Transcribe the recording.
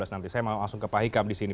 nanti saya mau langsung ke pak ika disini